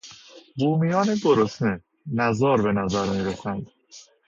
بومیان گرسنه، نزار به نظر میرسیدند.